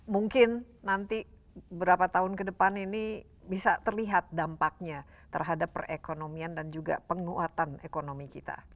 mungkin nanti berapa tahun ke depan ini bisa terlihat dampaknya terhadap perekonomian dan juga penguatan ekonomi kita